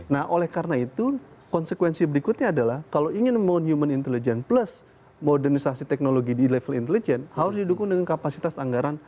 nah oleh karena itu konsekuensi berikutnya adalah kalau ingin mone human intelligence plus modernisasi teknologi di level intelijen harus didukung dengan kapasitas anggaran